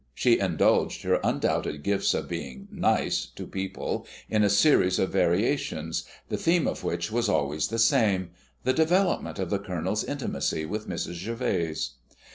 She indulged her undoubted gifts for being "nice" to people in a series of variations, the theme of which was always the same the development of the Colonel's intimacy with Mrs. Gervase.